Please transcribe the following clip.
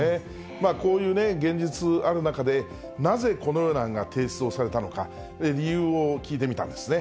まあ、こういうね、現実ある中で、なぜ、このような案が提出をされたのか、理由を聞いてみたんですね。